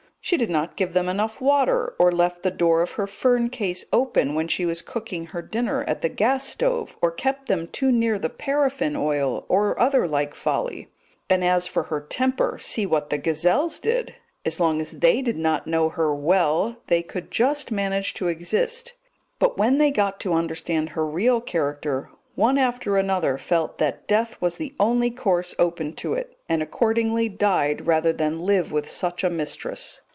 She did not give them enough water, or left the door of her fern case open when she was cooking her dinner at the gas stove, or kept them too near the paraffin oil, or other like folly; and as for her temper, see what the gazelles did; as long as they did not know her "well," they could just manage to exist, but when they got to understand her real character, one after another felt that death was the only course open to it, and accordingly died rather than live with such a mistress.